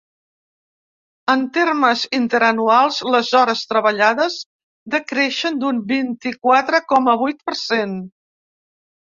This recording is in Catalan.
En termes interanuals, les hores treballades decreixen d’un vint-i-quatre coma vuit per cent.